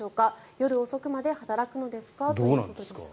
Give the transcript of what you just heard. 夜遅くまで働くのですかということですが。